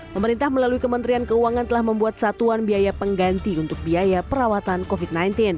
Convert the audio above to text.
pemerintah melalui kementerian keuangan telah membuat satuan biaya pengganti untuk biaya perawatan covid sembilan belas